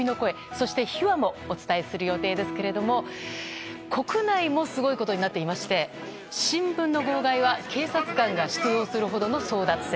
そして、秘話もお伝えする予定ですけれども国内もすごいことになっていまして新聞の号外は警察官が出動するほどの争奪戦。